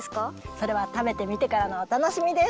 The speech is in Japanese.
それはたべてみてからのおたのしみです。